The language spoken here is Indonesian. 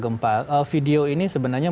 gempa video ini sebenarnya